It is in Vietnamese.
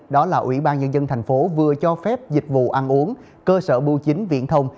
đó là ủy ban nhân dân thành phố vừa cho phép dịch vụ ăn uống cơ sở bưu chính viễn thông